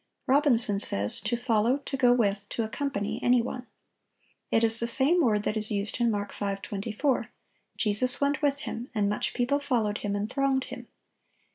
Robinson says: "To follow, to go with, to accompany any one." It is the same word that is used in Mark 5:24: "Jesus went with him; and much people followed Him, and thronged Him."